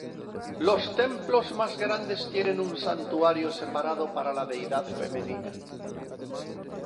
Los templos más grandes tienen un santuario separado para la deidad femenina.